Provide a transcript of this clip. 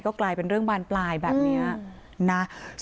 กลายเป็นเรื่องบานปลายแบบนี้นะ